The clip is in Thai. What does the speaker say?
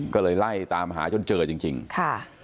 ก็เลยไล่ตามหาจนเจอจริงจริงค่ะ